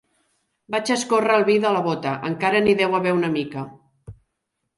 Vaig a escórrer el vi de la bota: encara n'hi deu haver una mica.